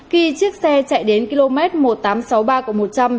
khi chiếc xe chạy đến km một nghìn tám trăm sáu mươi ba một trăm linh trên quốc lộ một a